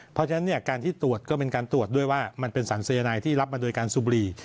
เพราะฉะนั้นการที่ตรวจก็เป็นการตรวจด้วยว่ามันเป็นสารสายนายที่รับมาโดยการสูบบุหรี่